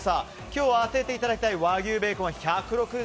今日当てていただきたい和牛ベーコンは１６０ｇです。